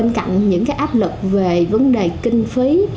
thì nó còn có những cái áp lực về vấn đề kinh phí